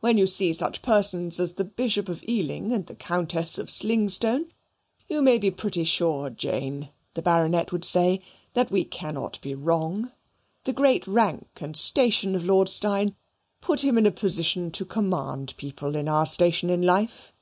"Where you see such persons as the Bishop of Ealing and the Countess of Slingstone, you may be pretty sure, Jane," the Baronet would say, "that we cannot be wrong. The great rank and station of Lord Steyne put him in a position to command people in our station in life.